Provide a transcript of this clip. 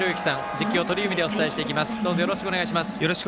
実況、鳥海でお伝えしていきます。